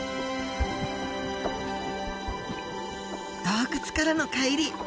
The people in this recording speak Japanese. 洞窟からの帰り。